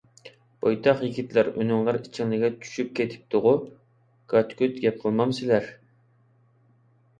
بويتاق يىگىتلەر، ئۈنۈڭلار ئىچىڭلىگە چۈشۈپ كېتپىتىغۇ؟ گاچ-گۇچ گەپ قىلمامسىلەر؟